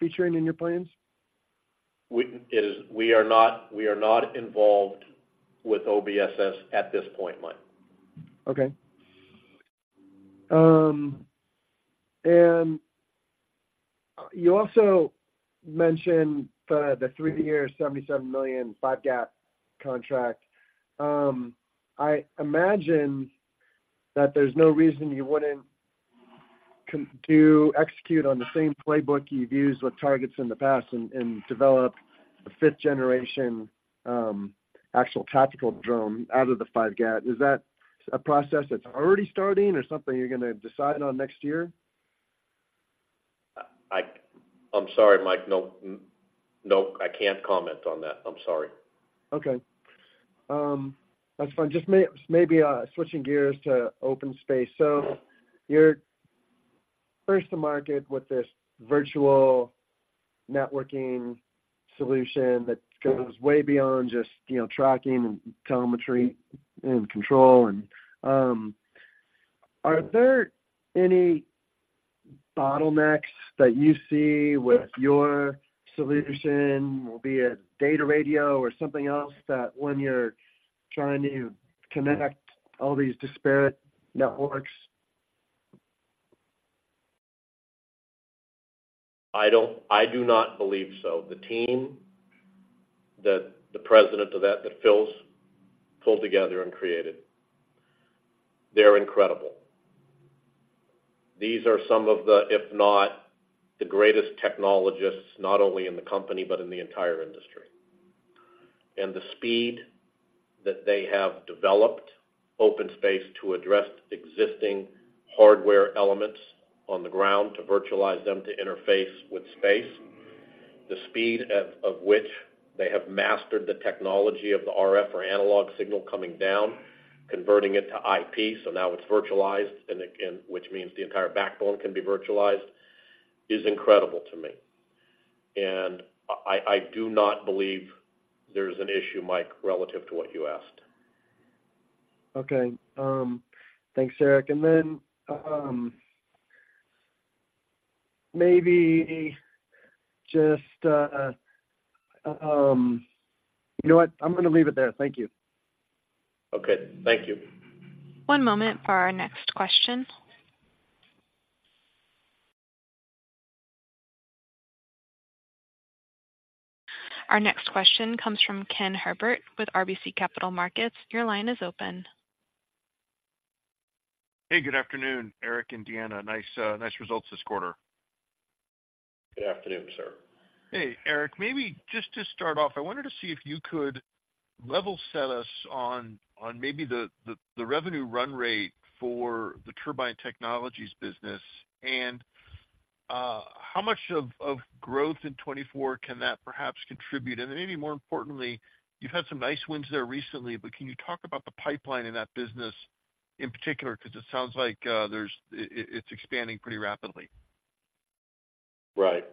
featuring in your plans? We are not, we are not involved with OBSS at this point, Mike. Okay. And you also mentioned the three year, $77 million, 5GAT contract. I imagine that there's no reason you wouldn't continue to execute on the same playbook you've used with targets in the past and develop a fifth-generation actual tactical drone out of the 5GAT. Is that a process that's already starting or something you're gonna decide on next year? I'm sorry, Mike. No, no, I can't comment on that. I'm sorry. Okay. That's fine. Just maybe switching gears to OpenSpace. So you're first to market with this virtual networking solution that goes way beyond just, you know, tracking and telemetry and control. And are there any bottlenecks that you see with your solution, be it data radio or something else, that when you're trying to connect all these disparate networks? I do not believe so. The team that the president of that, that Phil's pulled together and created, they're incredible. These are some of the, if not the greatest technologists, not only in the company, but in the entire industry. And the speed that they have developed OpenSpace to address existing hardware elements on the ground, to virtualize them, to interface with space, the speed of which they have mastered the technology of the RF or analog signal coming down, converting it to IP, so now it's virtualized, and again, which means the entire backbone can be virtualized, is incredible to me. And I do not believe there's an issue, Mike, relative to what you asked. Okay, thanks, Eric. And then, maybe just, you know what? I'm gonna leave it there. Thank you. Okay, thank you. One moment for our next question. Our next question comes from Ken Herbert with RBC Capital Markets. Your line is open. Hey, good afternoon, Eric and Deanna. Nice, nice results this quarter. Good afternoon, sir. Hey, Eric, maybe just to start off, I wanted to see if you could level set us on maybe the revenue run rate for the Turbine Technologies business, and how much of growth in 2024 can that perhaps contribute? And then, maybe more importantly, you've had some nice wins there recently, but can you talk about the pipeline in that business in particular? Because it sounds like there's it's expanding pretty rapidly. Right.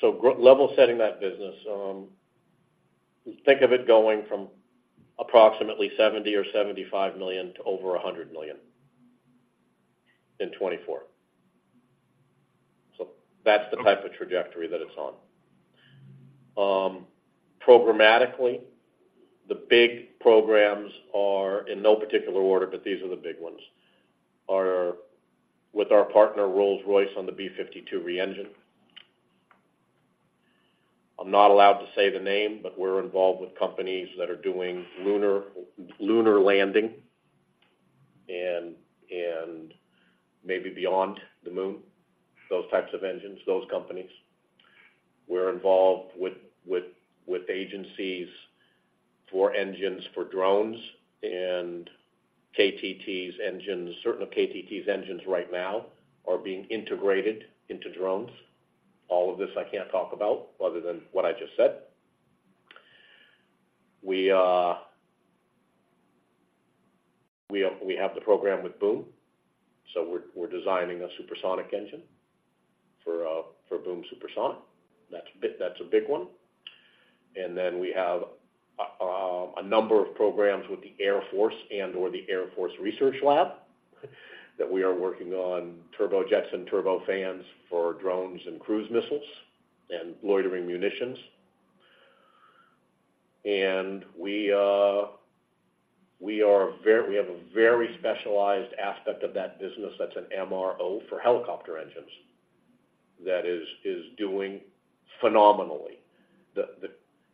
So, level setting that business, think of it going from approximately $70 million or $75 million to over $100 million in 2024. So that's the type of trajectory that it's on. Programmatically, the big programs are in no particular order, but these are the big ones, are with our partner, Rolls-Royce, on the B-52 reengine. I'm not allowed to say the name, but we're involved with companies that are doing lunar landing and maybe beyond the moon, those types of engines, those companies. We're involved with agencies for engines for drones, and Kratos' engines, certain of Kratos' engines right now are being integrated into drones. All of this I can't talk about other than what I just said. We have the program with Boom, so we're designing a supersonic engine for Boom Supersonic. That's a big, that's a big one. And then we have a number of programs with the Air Force and/or the Air Force Research Lab that we are working on turbojets and turbofans for drones and cruise missiles and loitering munitions. And we are very. We have a very specialized aspect of that business that's an MRO for helicopter engines that is doing phenomenally.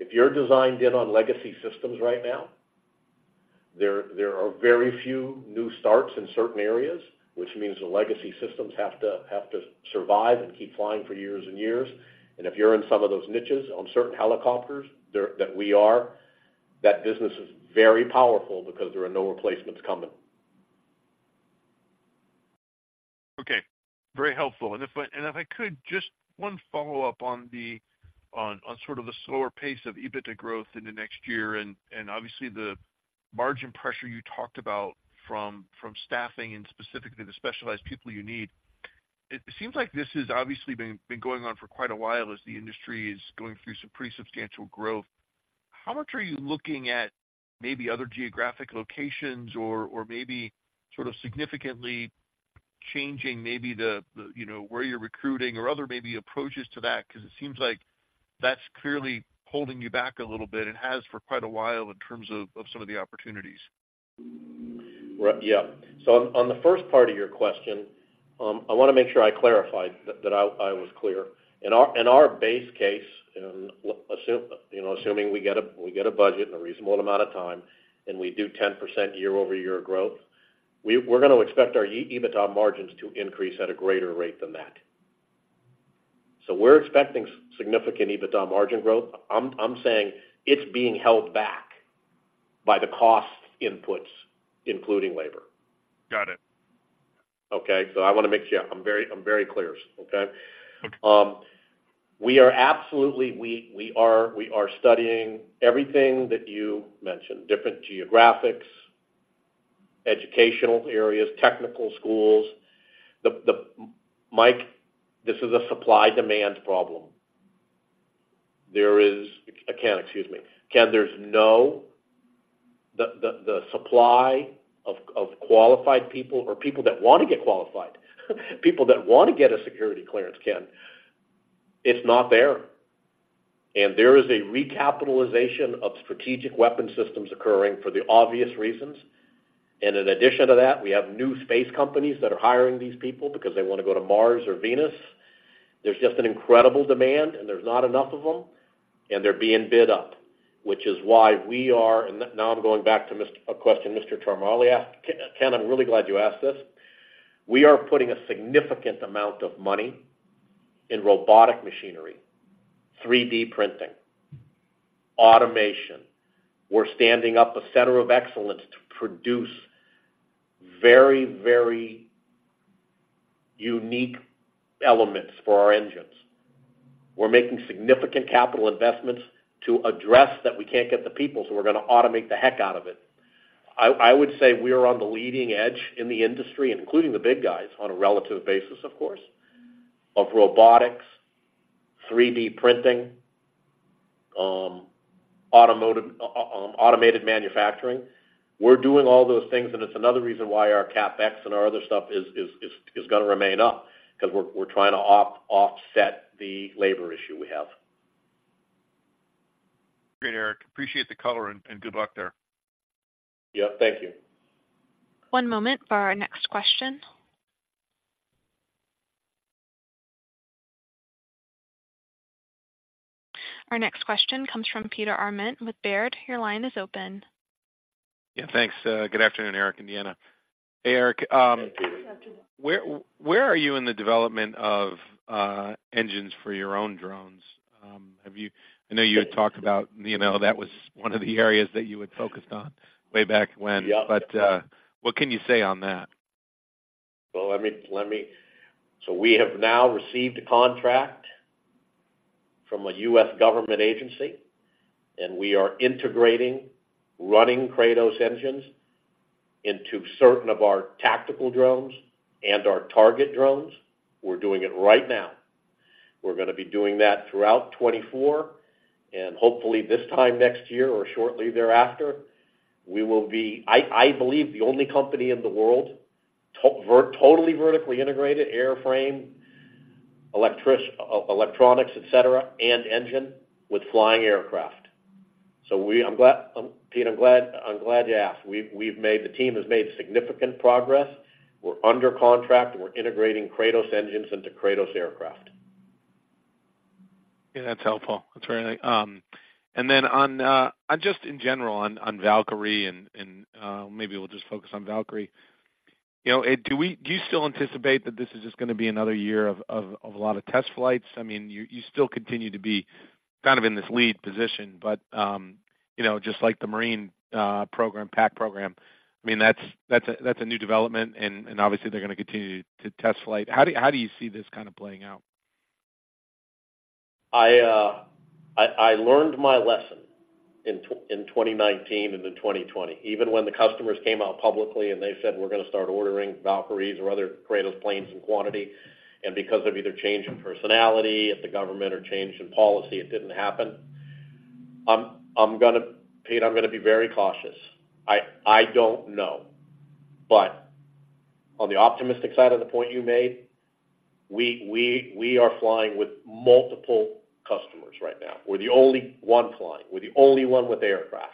If you're designed in on legacy systems right now, there are very few new starts in certain areas, which means the legacy systems have to survive and keep flying for years and years. And if you're in some of those niches on certain helicopters there that we are, that business is very powerful because there are no replacements coming. Okay, very helpful. And if I, and if I could, just one follow-up on the, on, on sort of the slower pace of EBITDA growth in the next year and, and obviously, the margin pressure you talked about from, from staffing and specifically the specialized people you need. It seems like this has obviously been, been going on for quite a while as the industry is going through some pretty substantial growth. How much are you looking at maybe other geographic locations or, or maybe sort of significantly changing maybe the, the, you know, where you're recruiting or other maybe approaches to that? Because it seems like that's clearly holding you back a little bit, and has for quite a while in terms of, of some of the opportunities. Right. Yeah. So on the first part of your question, I wanna make sure I clarified that I was clear. In our base case, and you know, assuming we get a budget in a reasonable amount of time, and we do 10% year-over-year growth, we're gonna expect our EBITDA margins to increase at a greater rate than that. So we're expecting significant EBITDA margin growth. I'm saying it's being held back by the cost inputs, including labor. Got it. Okay? So I wanna make sure I'm very, I'm very clear. Okay? Okay. We are absolutely studying everything that you mentioned, different geographies, educational areas, technical schools. Mike, this is a supply-demand problem. Ken, excuse me. Ken, there's no supply of qualified people or people that want to get qualified, people that want to get a security clearance, Ken, it's not there. There is a recapitalization of strategic weapon systems occurring for the obvious reasons. In addition to that, we have new space companies that are hiring these people because they want to go to Mars or Venus... There's just an incredible demand, and there's not enough of them, and they're being bid up, which is why we are, and now I'm going back to a question Mr. Ciarmoli asked. Ken, I'm really glad you asked this. We are putting a significant amount of money in robotic machinery, 3D printing, automation. We're standing up a center of excellence to produce very, very unique elements for our engines. We're making significant capital investments to address that we can't get the people, so we're going to automate the heck out of it. I would say we are on the leading edge in the industry, including the big guys, on a relative basis, of course, of robotics, 3D printing, automation, automated manufacturing. We're doing all those things, and it's another reason why our CapEx and our other stuff is gonna remain up, because we're trying to offset the labor issue we have. Great, Eric. Appreciate the color and good luck there. Yep, thank you. One moment for our next question. Our next question comes from Peter Arment with Baird. Your line is open. Yeah, thanks. Good afternoon, Eric and Deanna. Hey, Eric, Good afternoon. Where are you in the development of engines for your own drones? I know you had talked about, you know, that was one of the areas that you had focused on way back when. Yeah. What can you say on that? Well, let me. We have now received a contract from a U.S. government agency, and we are integrating, running Kratos engines into certain of our tactical drones and our target drones. We're doing it right now. We're gonna be doing that throughout 2024, and hopefully, this time next year or shortly thereafter, we will be, I believe, the only company in the world, totally vertically integrated airframe, electronics, et cetera, and engine with flying aircraft. So we I'm glad, Peter, you asked. The team has made significant progress. We're under contract, and we're integrating Kratos engines into Kratos aircraft. Yeah, that's helpful. That's right. And then on just in general, on Valkyrie and, maybe we'll just focus on Valkyrie. You know, do you still anticipate that this is just gonna be another year of a lot of test flights? I mean, you still continue to be kind of in this lead position, but, you know, just like the marine program, PAC program, I mean, that's a new development, and obviously they're gonna continue to test flight. How do you see this kind of playing out? I learned my lesson in 2019 and then 2020, even when the customers came out publicly and they said, "We're gonna start ordering Valkyries or other Kratos planes in quantity," and because of either change in personality at the government or change in policy, it didn't happen. I'm gonna Peter, I'm gonna be very cautious. I don't know. But on the optimistic side of the point you made, we are flying with multiple customers right now. We're the only one flying. We're the only one with aircraft.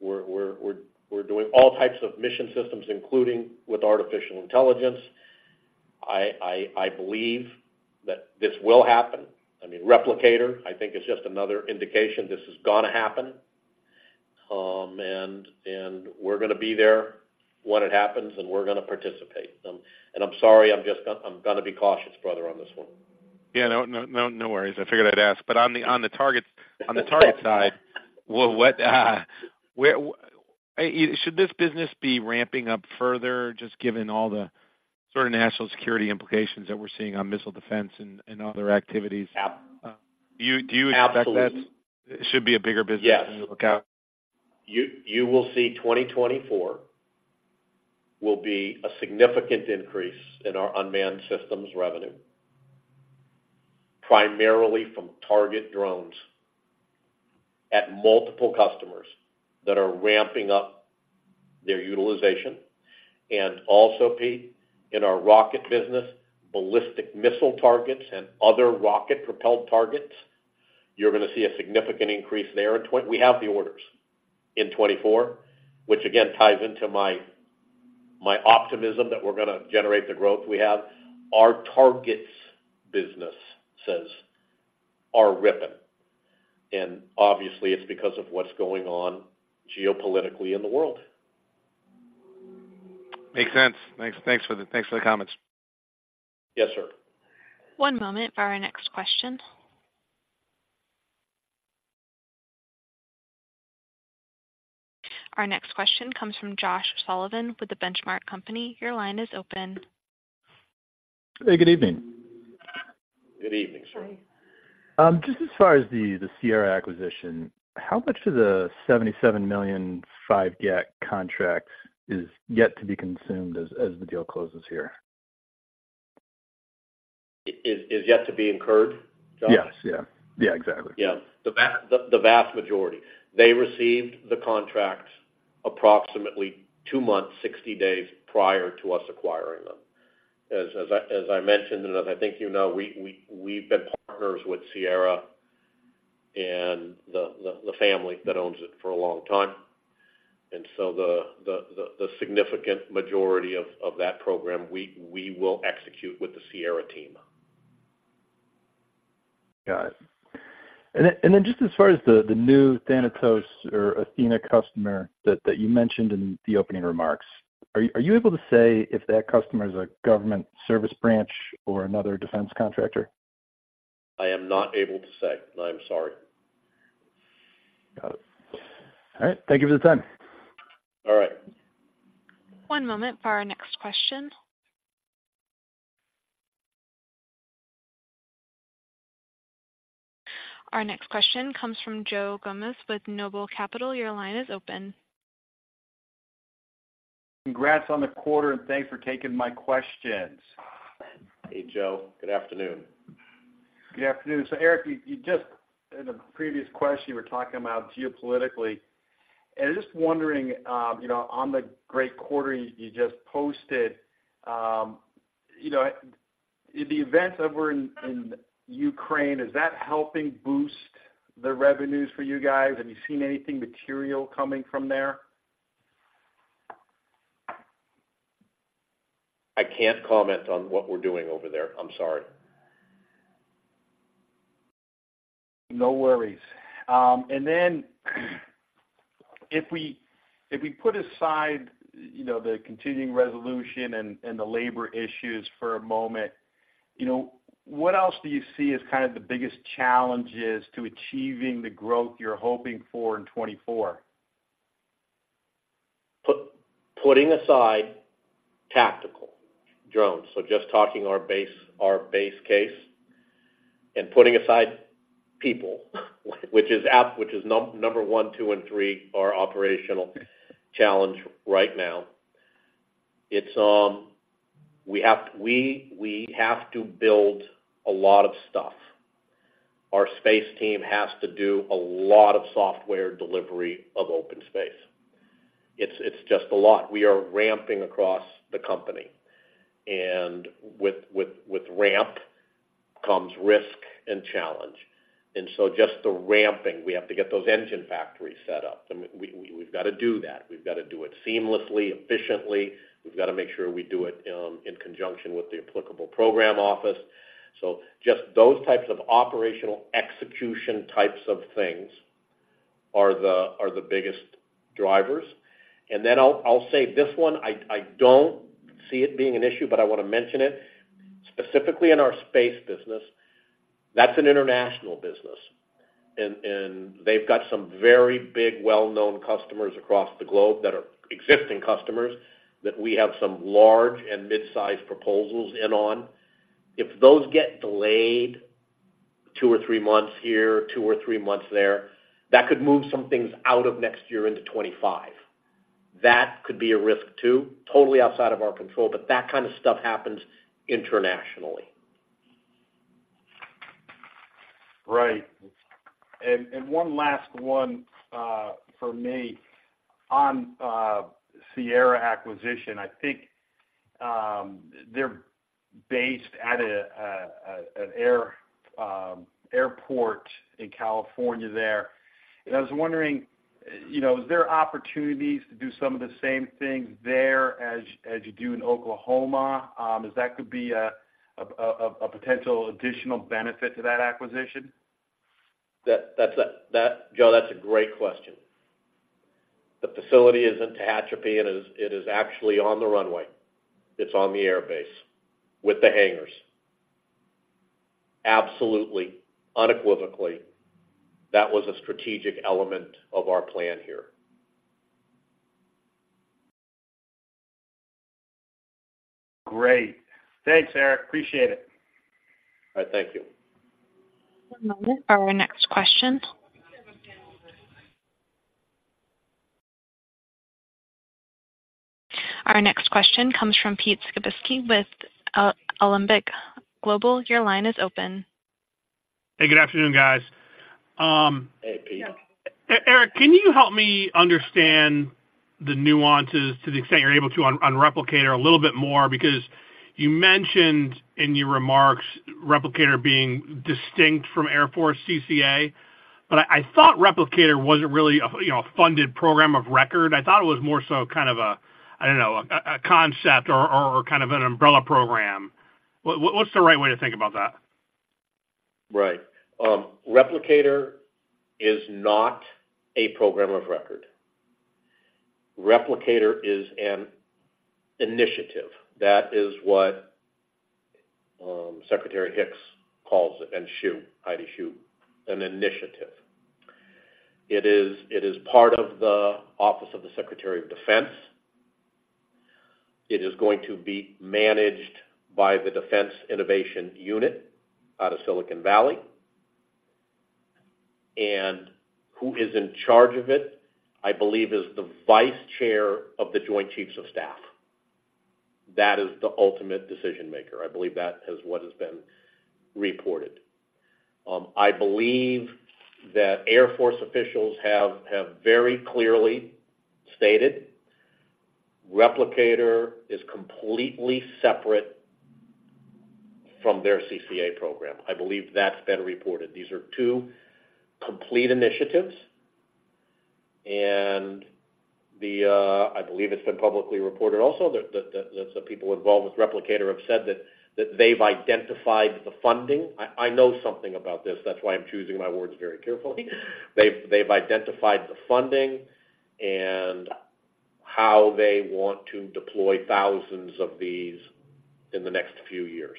We're doing all types of mission systems, including with artificial intelligence. I believe that this will happen. I mean, Replicator, I think, is just another indication this is gonna happen. And we're gonna be there when it happens, and we're gonna participate. I'm sorry, I'm gonna be cautious, brother, on this one. Yeah, no worries. I figured I'd ask. But on the target side, well, what, where, should this business be ramping up further, just given all the sort of national security implications that we're seeing on missile defense and other activities? Ab- Do you expect that? Absolutely. It should be a bigger business- Yes In the lookout? You will see 2024 will be a significant increase in our unmanned systems revenue, primarily from target drones at multiple customers that are ramping up their utilization. Also, Peter, in our rocket business, ballistic missile targets and other rocket-propelled targets, you're gonna see a significant increase there. We have the orders in 2024, which again ties into my optimism that we're gonna generate the growth we have. Our targets business is ripping, and obviously, it's because of what's going on geopolitically in the world. Makes sense. Thanks for the comments. Yes, sir. One moment for our next question. Our next question comes from Josh Sullivan with The Benchmark Company. Your line is open. Hey, good evening. Good evening, sir. Just as far as the Sierra acquisition, how much of the $77 million 5GAT contracts is yet to be consumed as the deal closes here? Is yet to be incurred, Josh? Yes, yeah. Yeah, exactly. Yeah. The vast majority. They received the contract approximately 2 months, 60 days prior to us acquiring them. As I mentioned, and as I think you know, we've been partners with Sierra... and the significant majority of that program, we will execute with the Sierra team. Got it. And then just as far as the new Thanatos or Athena customer that you mentioned in the opening remarks, are you able to say if that customer is a government service branch or another defense contractor? I am not able to say. I'm sorry. Got it. All right. Thank you for the time. All right. One moment for our next question. Our next question comes from Joe Gomes with Noble Capital. Your line is open. Congrats on the quarter, and thanks for taking my questions. Hey, Joe. Good afternoon. Good afternoon. So, Eric, you just, in the previous question, you were talking about geopolitically. I was just wondering, you know, on the great quarter you just posted, you know, the events over in Ukraine, is that helping boost the revenues for you guys? Have you seen anything material coming from there? I can't comment on what we're doing over there. I'm sorry. No worries. And then, if we put aside, you know, the continuing resolution and the labor issues for a moment, you know, what else do you see as kind of the biggest challenges to achieving the growth you're hoping for in 2024? Putting aside tactical drones, so just talking our base, our base case, and putting aside people, which is number one, two, and three, our operational challenge right now. It's, we have to build a lot of stuff. Our space team has to do a lot of software delivery of OpenSpace. It's just a lot. We are ramping across the company, and with ramp, comes risk and challenge. And so just the ramping, we have to get those engine factories set up. I mean, we've got to do that. We've got to do it seamlessly, efficiently. We've got to make sure we do it in conjunction with the applicable program office. So just those types of operational execution types of things are the biggest drivers. And then I'll say this one, I don't see it being an issue, but I want to mention it. Specifically in our space business, that's an international business, and they've got some very big, well-known customers across the globe that are existing customers, that we have some large and mid-sized proposals in on. If those get delayed two or three months here, two or three months there, that could move some things out of next year into 25. That could be a risk, too. Totally outside of our control, but that kind of stuff happens internationally. Right. And one last one for me on Sierra acquisition. I think they're based at an air airport in California there. And I was wondering, you know, is there opportunities to do some of the same things there as you do in Oklahoma? Is that could be a potential additional benefit to that acquisition? That, Joe, that's a great question. The facility is in Tehachapi, and it is actually on the runway. It's on the airbase with the hangars. Absolutely, unequivocally, that was a strategic element of our plan here. Great. Thanks, Eric. Appreciate it. All right, thank you. One moment for our next question. Our next question comes from Pete Skibitski with Alembic Global. Your line is open. Hey, good afternoon, guys. Eric, can you help me understand the nuances to the extent you're able to on Replicator a little bit more? Because you mentioned in your remarks Replicator being distinct from Air Force CCA, but I thought Replicator wasn't really a, you know, a funded program of record. I thought it was more so kind of a, I don't know, a concept or kind of an umbrella program. What's the right way to think about that? Right. Replicator is not a program of record. Replicator is an initiative. That is what, Secretary Hicks calls it, and Shyu, Heidi Shyu, an initiative. It is, it is part of the Office of the Secretary of Defense. It is going to be managed by the Defense Innovation Unit out of Silicon Valley. And who is in charge of it, I believe, is the Vice Chair of the Joint Chiefs of Staff. That is the ultimate decision maker. I believe that is what has been reported. I believe that Air Force officials have very clearly stated Replicator is completely separate from their CCA program. I believe that's been reported. These are two complete initiatives, and the, I believe it's been publicly reported also, that some people involved with Replicator have said that they've identified the funding. I know something about this. That's why I'm choosing my words very carefully. They've identified the funding and how they want to deploy thousands of these in the next few years.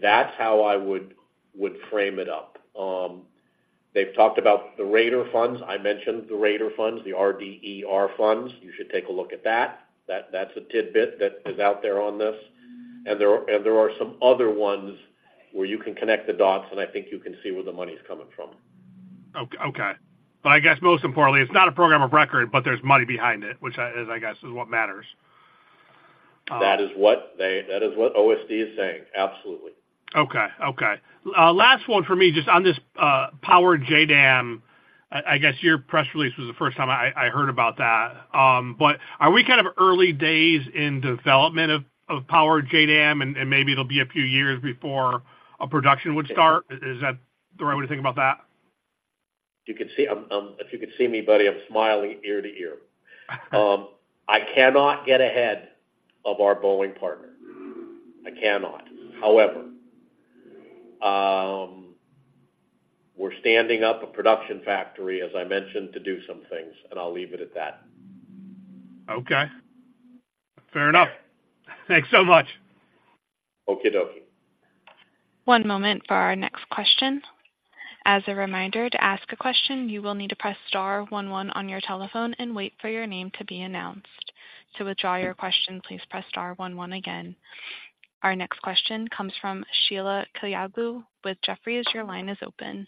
That's how I would frame it up. They've talked about the RDER funds. I mentioned the RDER funds, the RDER funds. You should take a look at that. That's a tidbit that is out there on this. And there are some other ones where you can connect the dots, and I think you can see where the money's coming from. Okay. But I guess most importantly, it's not a program of record, but there's money behind it, which, I guess, is what matters. That is what OSD is saying. Absolutely. Okay, okay. Last one for me, just on this, Powered JDAM. I guess your press release was the first time I heard about that. But are we kind of early days in development of Powered JDAM, and maybe it'll be a few years before a production would start? Is that the right way to think about that? You can see I'm. If you could see me, buddy, I'm smiling ear to ear. I cannot get ahead of our Boeing partner. I cannot. However, we're standing up a production factory, as I mentioned, to do some things, and I'll leave it at that. Okay, fair enough. Thanks so much. Okey-dokey. One moment for our next question. As a reminder, to ask a question, you will need to press star one one on your telephone and wait for your name to be announced. To withdraw your question, please press star one one again. Our next question comes from Sheila Kahyaoglu with Jefferies. Your line is open.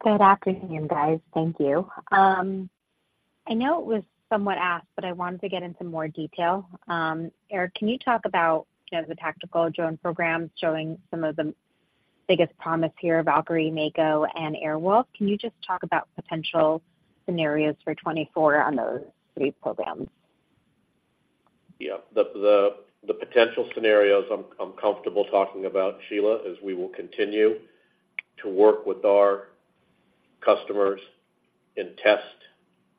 Good afternoon, guys. Thank you. I know it was somewhat asked, but I wanted to get into more detail. Eric, can you talk about, you know, the tactical drone programs showing some of the biggest promise here, Valkyrie, Mako, and Airwolf? Can you just talk about potential scenarios for 24 on those three programs? Yeah, the potential scenarios I'm comfortable talking about, Sheila, is we will continue to work with our customers in test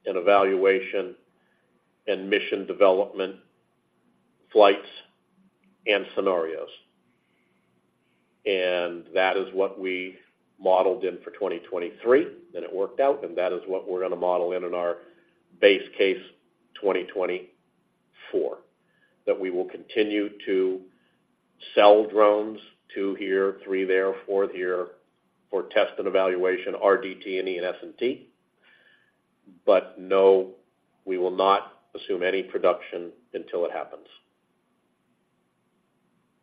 and evaluation and mission development, flights, and scenarios. And that is what we modeled in for 2023, and it worked out, and that is what we're gonna model in in our base case 2024. That we will continue to sell drones, 2 here, 3 there, 4 here, for test and evaluation, RDT&E, and S&T. But no, we will not assume any production until it happens.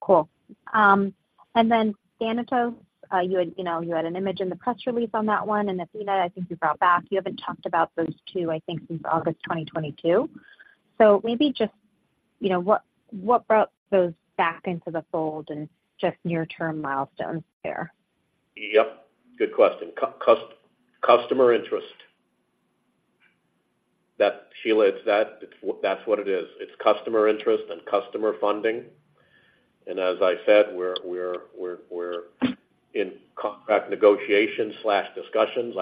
Cool. And then Thanatos, you had, you know, you had an image in the press release on that one, and Athena, I think you brought back. You haven't talked about those two, I think, since August 2022. So maybe just, you know, what brought those back into the fold and just near-term milestones there? Yep, good question. Customer interest. That, Sheila, it's that, it's what that's what it is. It's customer interest and customer funding. And as I said, we're in contract negotiations slash discussions.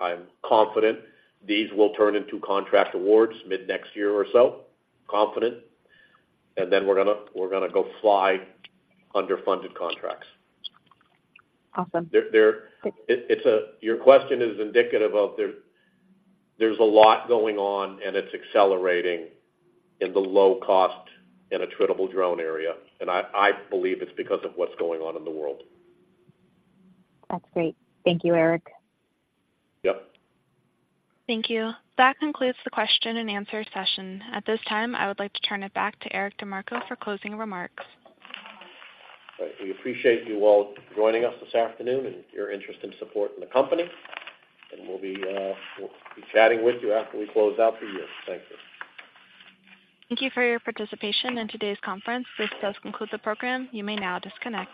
I'm confident these will turn into contract awards mid-next year or so. Confident. And then we're gonna go fly under funded contracts. Awesome. Your question is indicative of there's a lot going on, and it's accelerating in the low cost and attritable drone area, and I believe it's because of what's going on in the world. That's great. Thank you, Eric. Yep. Thank you. That concludes the question and answer session. At this time, I would like to turn it back to Eric DeMarco for closing remarks. We appreciate you all joining us this afternoon and your interest and support in the company, and we'll be, we'll be chatting with you after we close out the year. Thank you. Thank you for your participation in today's conference. This does conclude the program. You may now disconnect.